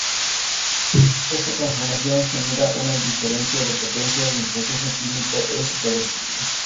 Esta transformación genera una diferencia de potencial y el proceso químico es reversible.